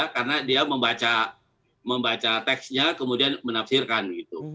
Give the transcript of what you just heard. karena dia membaca teksnya kemudian menafsirkan gitu